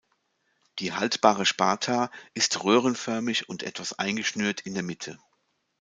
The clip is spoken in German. Die haltbare Spatha ist röhrenförmig und etwas eingeschnürt in der Mitte.